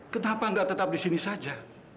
kenapa gak tetap disini saja